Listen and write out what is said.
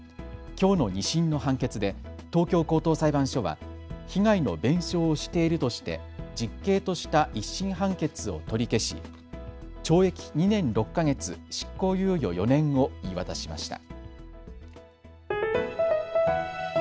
きょうの２審の判決で東京高等裁判所は被害の弁償をしているとして実刑とした１審判決を取り消し懲役２年６か月、執行猶予４年を言い渡しました。